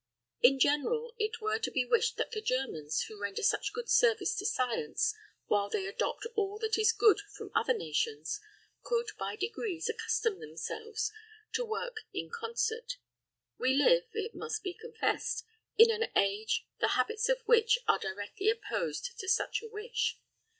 In general it were to be wished that the Germans, who render such good service to science, while they adopt all that is good from other nations, could by degrees accustom themselves to work in concert. We live, it must be confessed, in an age, the habits of which are directly opposed to such a wish.